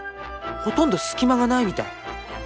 ほとんど隙間がないみたい。